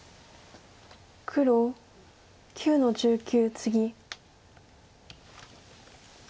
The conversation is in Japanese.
黒９の十九ツギ。